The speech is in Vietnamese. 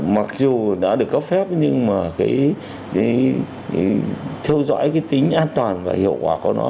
mặc dù đã được cấp phép nhưng mà cái theo dõi cái tính an toàn và hiệu quả của nó